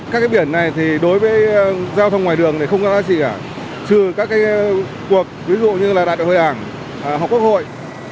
các cái biển này thì đối với giao thông ngoài đường thì không có giá trị cả trừ các cái cuộc ví dụ như là đạt hội ảnh hoặc quốc hội